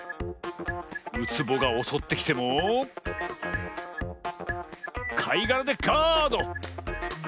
ウツボがおそってきてもかいがらでガード！